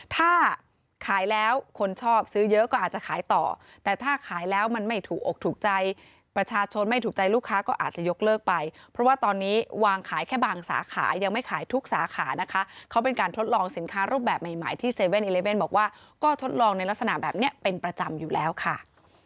ถ้าขายแล้วคนชอบซื้อเยอะก็อาจจะขายต่อแต่ถ้าขายแล้วมันไม่ถูกอกถูกใจประชาชนไม่ถูกใจลูกค้าก็อาจจะยกเลิกไปเพราะว่าตอนนี้วางขายแค่บางสาขายังไม่ขายทุกสาขานะคะเขาเป็นการทดลองสินค้ารูปแบบใหม่ที่๗๑๑บอกว่าก็ทดลองในลักษณะแบบนี้เป็นประจำอยู่แล้วค่ะ